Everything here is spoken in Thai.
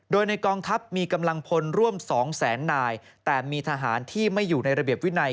โดยในกองทัพมีกำลังพลร่วม๒แสนนายแต่มีทหารที่ไม่อยู่ในระเบียบวินัย